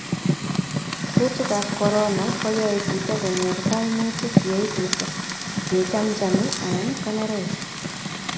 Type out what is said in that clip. Kutikab Korona koyae chito konyor koimutik ye ibusu, ye chamchami anan konerech